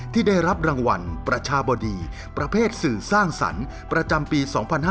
ที่ได้รับรางวัลประชาบดีประเภทสื่อสร้างสรรค์ประจำปี๒๕๕๙